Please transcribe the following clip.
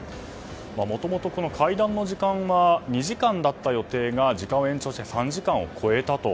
もともと、この会談の時間は２時間だった予定が時間を延長して３時間を超えたと。